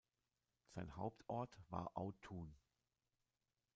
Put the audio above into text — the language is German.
Sein Hauptort war Autun.